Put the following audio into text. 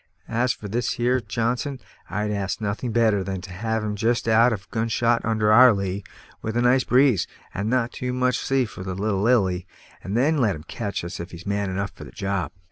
As for this here Johnson, I'd ask nothing better than to have him just out of gun shot under our lee, with a nice breeze, and not too much sea for the little Lily, and then let him catch us if he's man enough for the job."